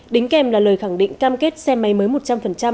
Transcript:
đính kèm là lời khẳng định cam kết xe máy mới một trăm linh